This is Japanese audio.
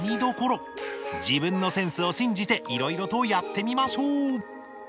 自分のセンスを信じていろいろとやってみましょう！